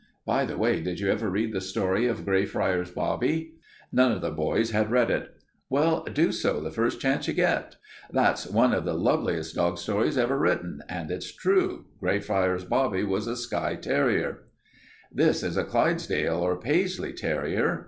By the way, did you ever read the story of Greyfriars Bobby?" None of the boys had read it. "Well, do so the first chance you get. That's on of the loveliest dog stories ever written, and it's true. Greyfriars Bobby was a Skye terrier. "This is the Clydesdale or Paisley terrier.